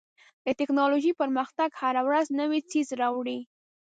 د ټکنالوژۍ پرمختګ هره ورځ نوی څیز راوړي.